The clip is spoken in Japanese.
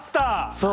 そう。